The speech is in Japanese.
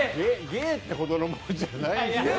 芸ってほどのものじゃない。